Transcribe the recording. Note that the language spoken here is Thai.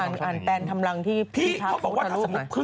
อ่านแปนทำรังที่พี่ชะพ์้างู้สึก